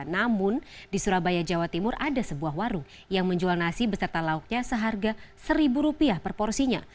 namun di surabaya jawa timur ada sebuah warung yang menjual nasi beserta lauknya seharga seribu rupiah per porsinya